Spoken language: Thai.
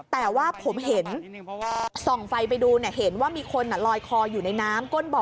แต่ว่าผมเห็นส่องไฟไปดูเห็นว่ามีคนลอยคออยู่ในน้ำก้นบ่อ